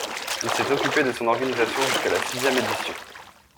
Il s'est occupé de son organisation jusqu’à la sixième édition.